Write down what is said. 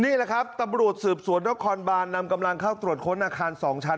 นี่แหละครับตำรวจสืบสวนนครบานนำกำลังเข้าตรวจค้นอาคาร๒ชั้น